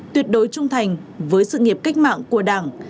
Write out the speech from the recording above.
tuyệt đối trung thành với sự nghiệp cách mạng của đảng